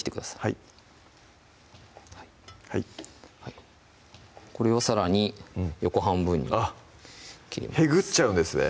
はいはいはいこれをさらに横半分にあっへぐっちゃうんですね